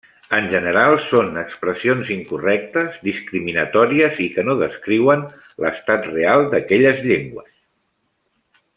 En general, són expressions incorrectes, discriminatòries i que no descriuen l’estat real d’aquelles llengües.